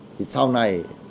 thì sau này